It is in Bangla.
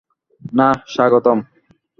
না, স্বাগতম।